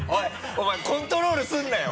お前コントロールするなよ！